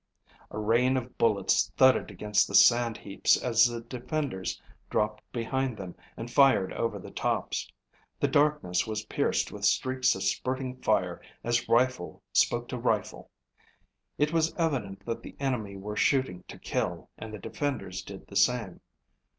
A rain of bullets thudded against the sand heaps as the defenders dropped behind them and fired over the tops. The darkness was pierced with streaks of spurting fire as rifle spoke to rifle. It was evident that the enemy were shooting to kill, and the defenders did the same.